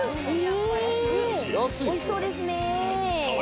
おいしそうですね。